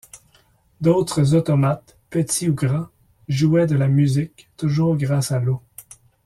D'autres automates, petits ou grands, jouaient de la musique, toujours grâce à l'eau.